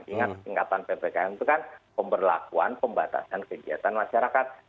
ingat tingkatan ppkm itu kan pemberlakuan pembatasan kegiatan masyarakat